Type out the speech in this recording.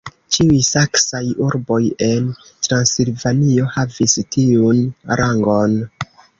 Ĉiuj saksaj urboj en Transilvanio havis tiun rangon.